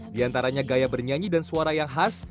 di antaranya gaya bernyanyi dan suara yang khas